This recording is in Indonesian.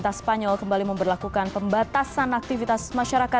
nah mungkin begitu mbak